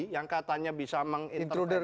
yang katanya bisa mengintervek